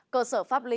cơ sở pháp lý